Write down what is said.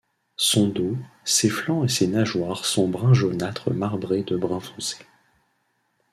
Son dos, ses flancs et ses nageoires sont brun jaunâtre marbré de brun foncé.